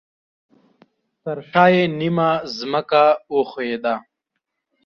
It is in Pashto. ترشاه یې نیمه ځمکه وښویده